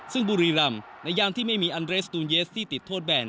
ซึ่งบุรีรำในยามที่ไม่มีอันเรสตูนเยสที่ติดโทษแบน